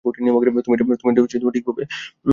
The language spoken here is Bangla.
তুমি এটা ঠিকভাবে করছোনা।